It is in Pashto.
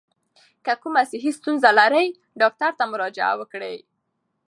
که کومه صحي ستونزه لرئ، ډاکټر ته مراجعه وکړئ.